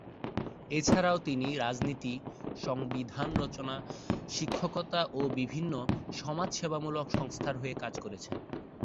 এছাড়াও তিনি রাজনীতি, সংবিধান রচনা, শিক্ষকতা ও বিভিন্ন সমাজসেবা মূলক সংস্থার হয়ে কাজ করেছেন।